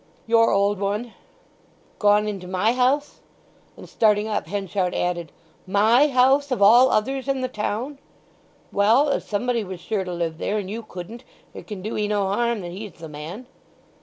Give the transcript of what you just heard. "Your old one." "Gone into my house?" And starting up Henchard added, "My house of all others in the town!" "Well, as somebody was sure to live there, and you couldn't, it can do 'ee no harm that he's the man."